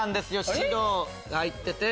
「白」が入ってて。